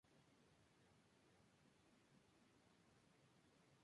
Cada fruto tiene pocos milímetros de largo y en forma de pala.